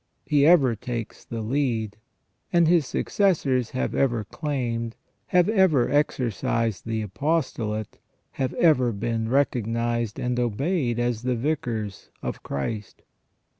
He ever takes the lead, and his successors have ever claimed, have ever exercised the apostolate, have ever been recognized and obeyed as the Vicars of Christ.